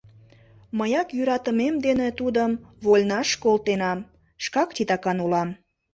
Мыяк йӧратымем дене тудым вольнаш колтенам, шкак титакан улам.